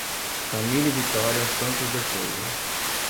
Camille Vitoria Santos de Sousa